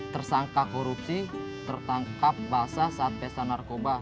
tersangka korupsi tertangkap basah saat pesta narkoba